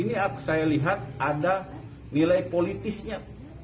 ini saya lihat ada nilai politisnya